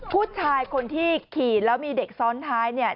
ผู้ชายคนที่ขี่แล้วมีเด็กซ้อนท้ายเนี่ย